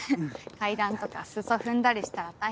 階段とか裾踏んだりしたら大変。